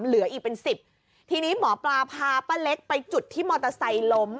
เหลืออีกเป็นสิบทีนี้หมอปลาพาป้าเล็กไปจุดที่มอเตอร์ไซค์ล้ม